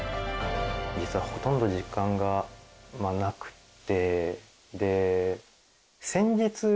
実はほとんど実感がなくて。